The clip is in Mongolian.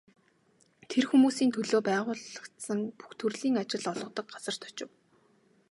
Тэр хүмүүсийн төлөө байгуулагдсан бүх төрлийн ажил олгодог газарт очив.